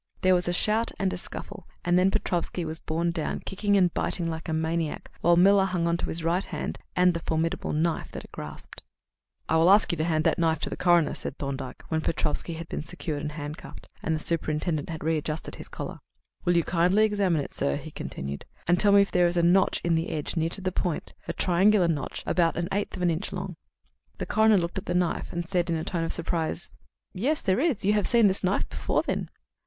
There was a shout and a scuffle, and then Petrofsky was born down, kicking and biting like a maniac, while Miller hung on to his right hand and the formidable knife that it grasped. [Illustration: SUPERINTENDENT MILLER RISES TO THE OCCASION.] "I will ask you to hand that knife to the coroner," said Thorndyke, when Petrofsky had been secured and handcuffed, and the superintendent had readjusted his collar. "Will you kindly examine it, sir," he continued, "and tell me if there is a notch in the edge, near to the point a triangular notch about an eighth of an inch long?" The coroner looked at the knife, and then said in a tone of surprise: "Yes, there is. You have seen this knife before, then?"